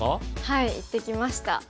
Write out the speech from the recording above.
はい行ってきました。